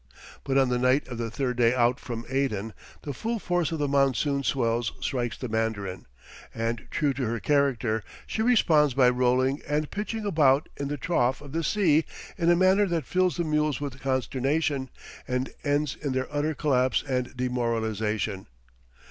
But on the night of the third day out from Aden, the full force of the monsoon swells strikes the Mandarin, and, true to her character, she responds by rolling and pitching about in the trough of the sea in a manner that fills the mules with consternation, and ends in their utter collapse and demoralization.